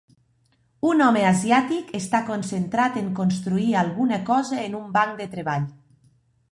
Un home asiàtic està concentrat en construir alguna cosa en un banc de treball.